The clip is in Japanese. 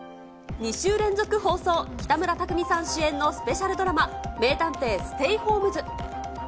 ２週連続放送、北村匠海さん主演のスペシャルドラマ、名探偵ステイホームズ。